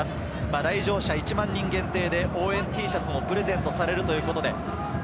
来場者１万人限定で応援Ｔシャツがプレゼントされるそうです。